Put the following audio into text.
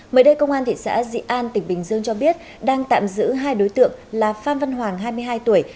mới đây công an thị xã dị an tỉnh bình dương cho biết đang tạm giữ hai đối tượng là phan văn hoàng hai mươi hai tuổi